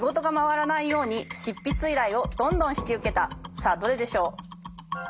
さあどれでしょう？